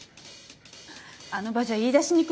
あの場じゃ言いだしにくくて。